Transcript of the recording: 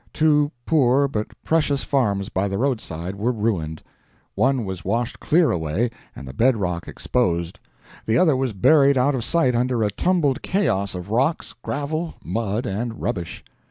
Two poor but precious farms by the roadside were ruined. One was washed clear away, and the bed rock exposed; the other was buried out of sight under a tumbled chaos of rocks, gravel, mud, and rubbish.